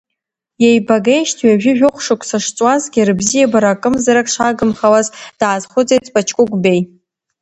Иеибагеижьҭеи ҩажәижәохә шықәса шҵуазгьы рыбзиабара акымзарак шагымхауаз даазхәыцит Паҷкәыкә-Беи.